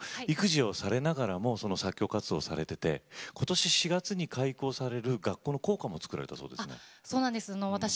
育児をされながら作曲活動をされていてことし４月に開校される学校の校歌も作られたそうですね。